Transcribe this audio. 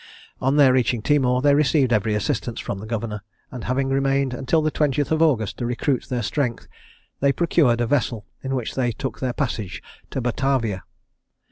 On their reaching Timor, they received every assistance from the governor; and having remained until the 20th of August to recruit their strength, they procured a vessel, in which they took their passage to Batavia.